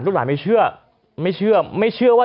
ลูกหลานไม่เชื่อไม่เชื่อว่า